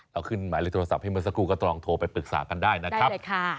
เอาขึ้นหมายเลขโทรศัพท์ให้เมื่อสักครู่ก็ตลองโทรไปปรึกษากันได้นะครับ